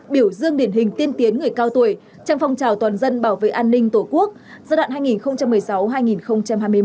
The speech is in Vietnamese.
biểu dương điển hình tiên tiến người cao tuổi trong phong trào toàn dân bảo vệ an ninh tổ quốc giai đoạn hai nghìn một mươi sáu hai nghìn hai mươi một